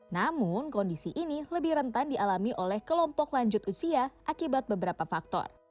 namun kondisi ini lebih rentan dialami oleh kelompok lanjut usia akibat beberapa faktor